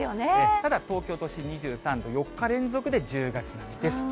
ただ、東京都心２３度、４日連続で１０月並みです。